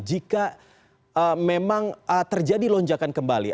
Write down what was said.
jika memang terjadi lonjakan kembali